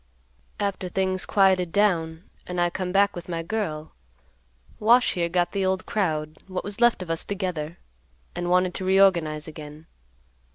"After things quieted down, and I come back with my girl, Wash here got the old crowd, what was left of us, together, and wanted to reorganize again.